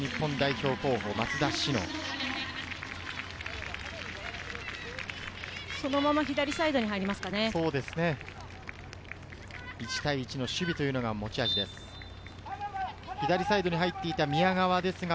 そのまま左サイドに入りますかね。